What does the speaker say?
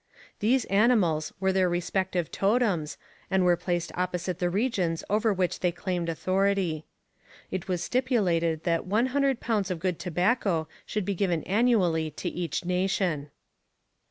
These animals were their respective totems and were placed opposite the regions over which they claimed authority. It was stipulated that one hundred pounds of good tobacco should be given annually to each nation.